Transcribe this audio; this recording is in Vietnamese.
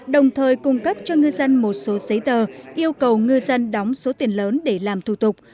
đồng thời cung cấp cho ngư dân một số giấy tờ yêu cầu ngư dân đóng số tiền lớn để làm thủ tục